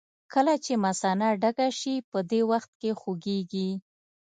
کله چې مثانه ډکه شي په دې وخت کې خوږېږي.